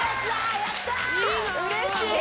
うれしい。